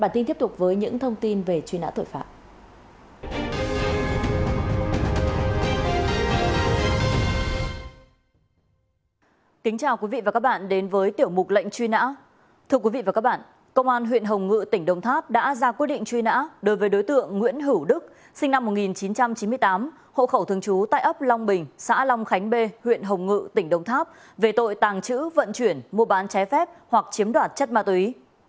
thưa quý vị và các bạn công an huyện hồng ngự tỉnh đông tháp đã ra quyết định truy nã đối với đối tượng nguyễn hữu đức sinh năm một nghìn chín trăm chín mươi tám hộ khẩu thường trú tại ấp long bình xã long khánh bê huyện hồng ngự tỉnh đông tháp về tội tàng trữ vận chuyển mua bán ché phép hoặc chiếm đoạt chất ma túy